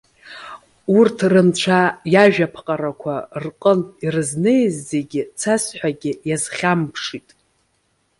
Урҭ рынцәа иажәаԥҟарақәа рҟынтә ирзнеиз зегьы, цасҳәагьы иазхьамԥшьит.